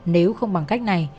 nếu không bằng cách này